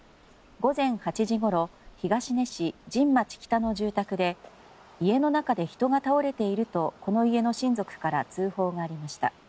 午前８時ごろ東根市神町北の住宅で家の中で人が倒れているとこの家の親族から通報がありました。